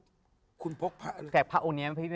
พี่ยังไม่ได้เลิกแต่พี่ยังไม่ได้เลิก